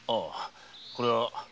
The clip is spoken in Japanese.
これは。